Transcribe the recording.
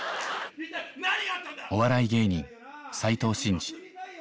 お笑い芸人斉藤慎二３８歳。